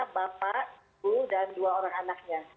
bapak ibu dan dua orang anaknya